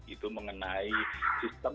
itu mengenai sistem